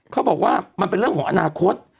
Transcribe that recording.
เขาบอกว่ามันเป็นเรื่องของอนาคต